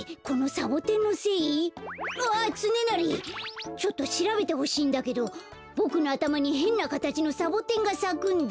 あっつねなりちょっとしらべてほしいんだけどボクのあたまにへんなかたちのサボテンがさくんだ。